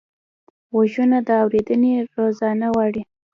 غوږونه د اورېدنې روزنه غواړي